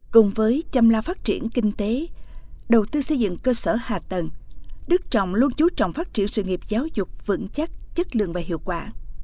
cùng với chăm la phát triển kinh tế đầu tư xây dựng cơ sở hạ tầng đức trọng luôn chú trọng phát triển sự nghiệp giáo dục vững chắc chất lượng và hiệu quả